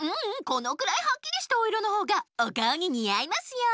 このくらいはっきりしたおいろのほうがおかおににあいますよ。